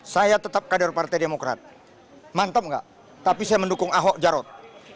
saya tetap kader partai demokrat mantap enggak tapi saya mendukung ahok jarot